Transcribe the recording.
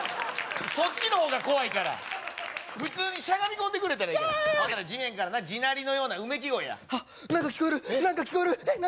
そっちの方が怖いから普通にしゃがみ込んでくれたらキャーッ地面からな地鳴りのようなうめき声や何か聞こえる何か聞こえる何？